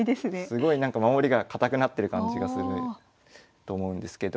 すごいなんか守りが堅くなってる感じがすると思うんですけど。